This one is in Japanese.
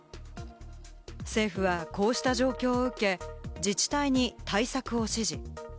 政府はこうした状況を受け、自治体に対策を指示。